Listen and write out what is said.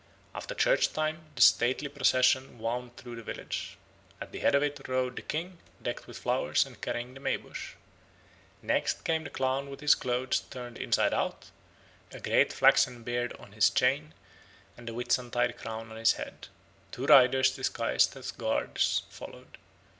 After church time the stately procession wound through the village. At the head of it rode the king, decked with flowers and carrying the May bush. Next came the clown with his clothes turned inside out, a great flaxen beard on his chain, and the Whitsuntide crown on his head. Two riders disguised as guards followed.